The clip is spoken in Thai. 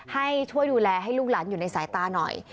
ให้ช่วยดูแลให้ลูกหลานอยู่ในสายตาหน่อย